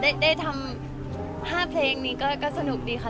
ได้ทำ๕เพลงนี้ก็สนุกดีค่ะ